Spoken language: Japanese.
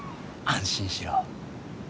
安心しろ。